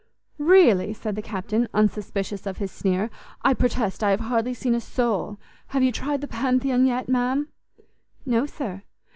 "Really!" said the Captain, unsuspicious of his sneer, "I protest I have hardly seen a soul. Have you tried the Pantheon yet, ma'am?" "No, sir."